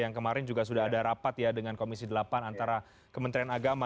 yang kemarin juga sudah ada rapat ya dengan komisi delapan antara kementerian agama